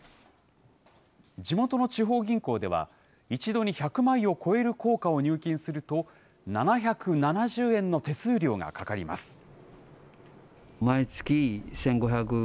地元の地方銀行では、一度に１００枚を超える硬貨を入金すると、７７０円の手数料がかかります。